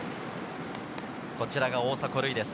こちらが大迫塁です。